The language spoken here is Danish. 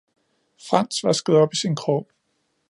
Franz vaskede op i sin Krog.